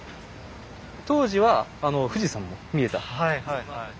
当時は富士山も見えた。